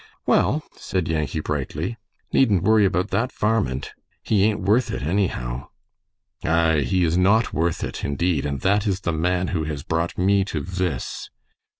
"Well," said Yankee, brightly, "needn't worry about that varmint. He ain't worth it, anyhow." "Aye, he is not worth it, indeed, and that is the man who has brought me to this."